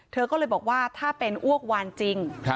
เธอก็เลยบอกว่าถ้าเป็นอ้วกวานจริง